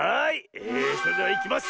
えそれではいきます。